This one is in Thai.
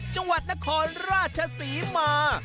จังหวัดนครราชศรีมา